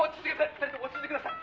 ２人とも落ち着いてください」